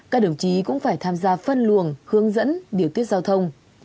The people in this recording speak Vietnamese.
các đồng chí cũng phải tham gia phân luồng hướng dẫn điều tiết giao thông